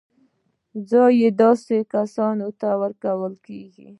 ځای به یې داسې کسانو ته ورکول کېږي.